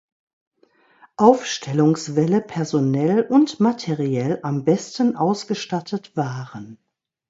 Aufstellungswelle personell und materiell am besten ausgestattet waren.